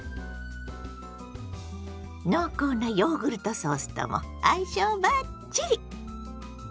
濃厚なヨーグルトソースとも相性バッチリ！